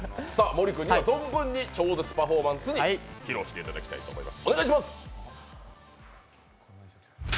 森君には存分に超絶パフォーマンス披露していただきたいと思います。